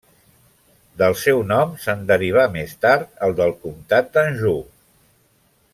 Del seu nom se'n derivà més tard el del comtat d'Anjou.